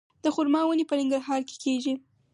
د خرما ونې په ننګرهار کې کیږي؟